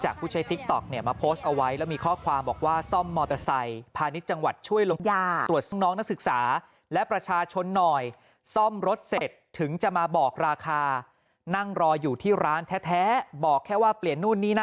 ก็ไม่ได้บอกให้พูดด้วย